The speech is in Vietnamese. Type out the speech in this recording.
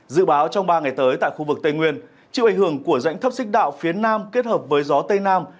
dự báo trong ba ngày tới tại khu vực tây nguyên chịu ảnh hưởng của rãnh thấp xích đạo phía nam kết hợp với gió tây nam